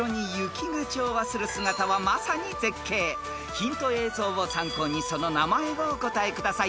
［ヒント映像を参考にその名前をお答えください］